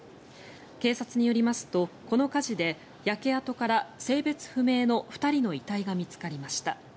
警察によりますとこの火事で焼け跡から性別不明の２人の遺体が見つかりました。